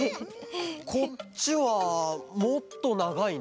こっちはもっとながいね。